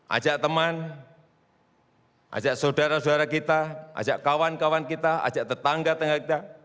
ajak teman ajak saudara saudara kita ajak kawan kawan kita ajak tetangga tetangga kita